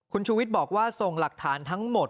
คุณชูวิทย์บอกว่าส่งหลักฐานทั้งหมด